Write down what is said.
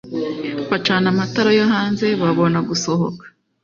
bacana amatara yo hanze babona gusohoka